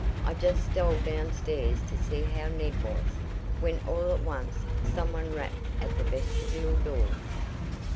I just stole downstairs to see how Ned was, when all at once some one rapped at the vestibule door."